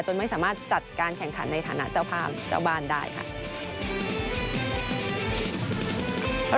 ไม่สามารถจัดการแข่งขันในฐานะเจ้าภาพเจ้าบ้านได้ค่ะ